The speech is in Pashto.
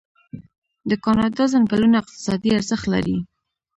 د کاناډا ځنګلونه اقتصادي ارزښت لري.